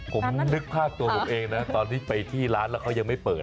ผมนึกภาพตัวผมเองนะตอนที่ไปที่ร้านแล้วเขายังไม่เปิด